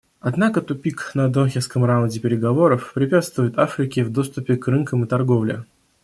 Однако тупик на Дохинском раунде переговоров препятствует Африке в доступе к рынкам и торговле.